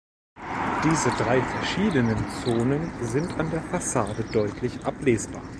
Diese drei verschiedenen Zonen sind an der Fassade deutlich ablesbar.